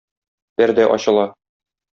Пәрдә ачыла.